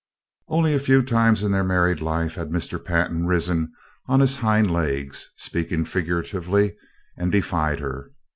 Only a few times in their married life had Mr. Pantin risen on his hind legs, speaking figuratively, and defied her.